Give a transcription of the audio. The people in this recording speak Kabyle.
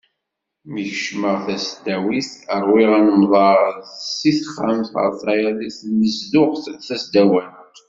Mi kecmeɣ tasdawit ṛwiɣ anemḍer seg texxamt ɣer tayeḍ deg tnezduɣt tasdawant.